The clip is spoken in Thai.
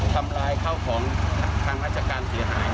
ทำร้ายข้าวของทางราชการเสียหาย